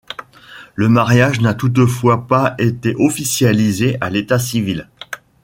Le mariage n'a toutefois pas été officialisé à l'état civil.